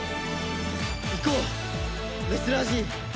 いこうレスラーＧ。